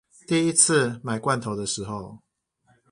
第一次買罐頭的時候